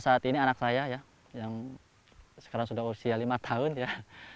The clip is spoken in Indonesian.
saat ini anak saya ya yang sekarang sudah usia lima tahun ya